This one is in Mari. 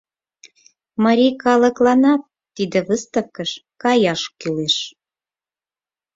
Марий калыкланат тиде выставкыш каяш кӱлеш.